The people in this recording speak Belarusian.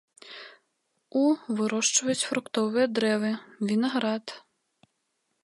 У вырошчваюць фруктовыя дрэвы, вінаград.